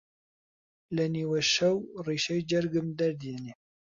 لە نیوە شەو ڕیشەی جەرگم دەردێنێ